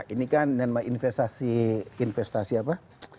ini kan investasi apa